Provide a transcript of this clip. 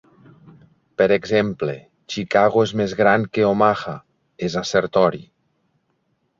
Per exemple, "Chicago és més gran que Omaha" és assertori.